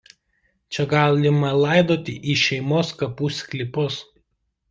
Čia galima laidoti į šeimos kapų sklypus.